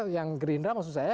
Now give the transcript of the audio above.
yang gerindra maksud saya